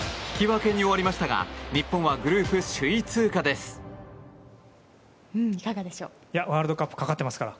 引き分けに終わりましたが日本はグループ首位通過です。